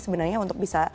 sebenarnya untuk bisa